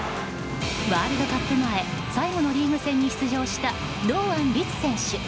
ワールドカップ前最後のリーグ戦に出場した堂安律選手。